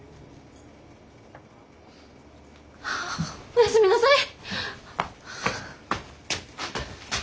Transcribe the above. あお休みなさい！